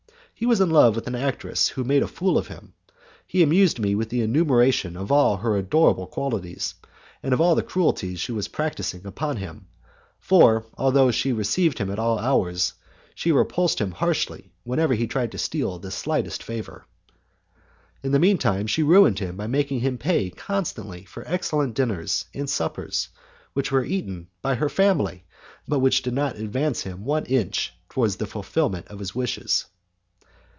He was in love with an actress who made a fool of him. He amused me with the enumeration of all her adorable qualities, and of all the cruelties she was practising upon him, for, although she received him at all hours, she repulsed him harshly whenever he tried to steal the slightest favour. In the mean time, she ruined him by making him pay constantly for excellent dinners and suppers, which were eaten by her family, but which did not advance him one inch towards the fulfilment of his wishes.